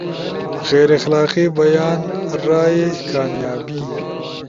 غیر اخلاقی بیان، رائے، کامیابی